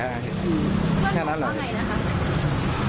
เพื่อนบอกว่าอย่างไรนะคะ